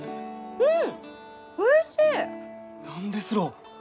うん。